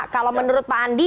kalau menurut pak andi